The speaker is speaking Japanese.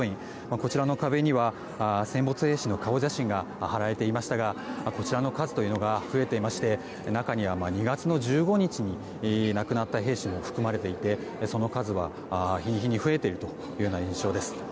こちらの壁には、戦没兵士の顔写真が貼られていましたがこちらの数というのが増えていまして中には２月１５日に亡くなった兵士も含まれていてその数は、日に日に増えているというような印象です。